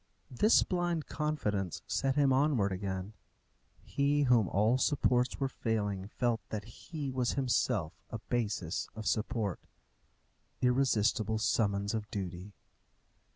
This blind confidence set him onwards again. He whom all supports were failing felt that he was himself a basis of support. Irresistible summons of duty!